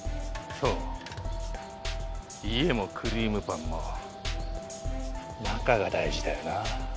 そう家もクリームパンも中が大事だよなぁ？